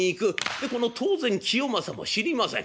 でこの当然清正も知りません。